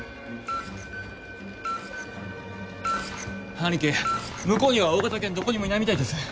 兄貴向こうには大型犬どこにもいないみたいです。